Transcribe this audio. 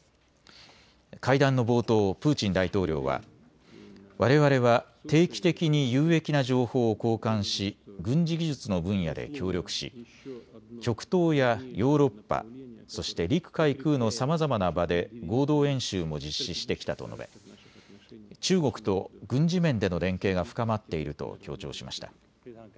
会談の冒頭、プーチン大統領はわれわれは定期的に有益な情報を交換し、軍事技術の分野で協力し、極東やヨーロッパ、そして陸海空のさまざまな場で合同演習も実施してきたと述べ中国と軍事面での連携が深まっていると強調しました。